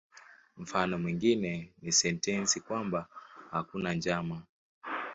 Mfano mwingine ni sentensi kwamba "hakuna njama".